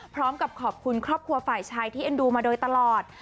พร้อมกับขอบคุณครอบครัวฝ่ายชายที่เอ็นดูมาโดยตลอด